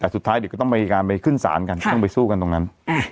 แต่สุดท้ายเดี๋ยวก็ต้องมีการไปขึ้นศาลกันต้องไปสู้กันตรงนั้น